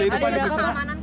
dari pihak mana saja itu